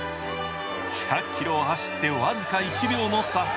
１００ｋｍを走って僅か１秒の差。